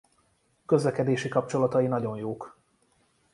Közlekedési kapcsolatai nagyon jók.